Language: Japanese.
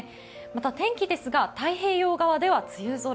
また天気ですが、太平洋側では梅雨空。